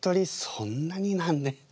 そんなになんで。